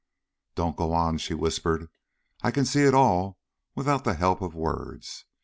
"Don't go on," she whispered. "I can see it all without the help of words."